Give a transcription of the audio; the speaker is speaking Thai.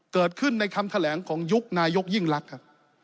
เกิดขึ้นในคำแถลงของยุคนายกยิ่งรักครับ